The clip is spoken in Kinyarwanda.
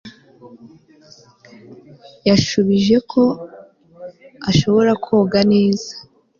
Yashubije ko ashobora koga neza